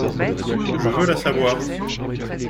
Je veux la savoir.